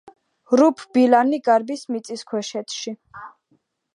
რუფ ბილანი გარბის მიწისქვეშეთში.